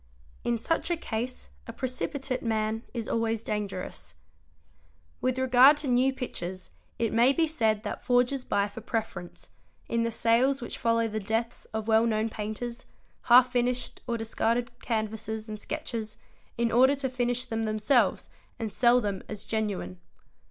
In such a case a precipitate man is always dangerous. With regard to new pictures it may be said that forgers buy for preference, in the sales which follow the deaths of well known painters, half finished or discarded canvases and sketches, in order to finish them themselves and sell them as genuine.